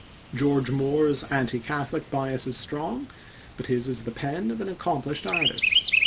George Moore's anti Catholic bias is strong, but his is the pen of an accomplished artist.